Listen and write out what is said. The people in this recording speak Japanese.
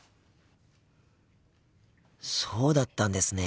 そうだったんですね。